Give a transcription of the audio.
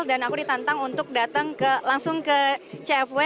dan aku ditantang untuk datang langsung ke cfw